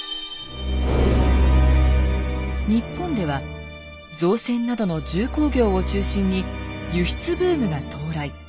日本では造船などの重工業を中心に輸出ブームが到来。